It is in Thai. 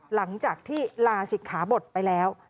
หลังจากที่ลาศิกขาบทไปแล้ว